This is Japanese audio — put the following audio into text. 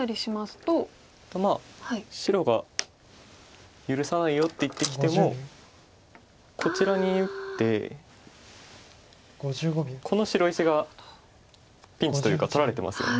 と白が「許さないよ」って言ってきてもこちらに打ってこの白石がピンチというか取られてますよね。